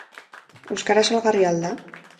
Euskara salgarria al da?